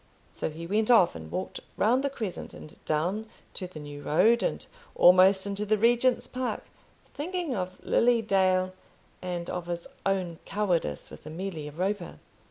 So he went off, and walked round the Crescent, and down to the New Road, and almost into the Regent's Park, thinking of Lily Dale and of his own cowardice with Amelia Roper.